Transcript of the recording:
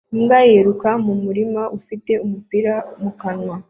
Imbwa yiruka mu murima ufite umupira mu kanwa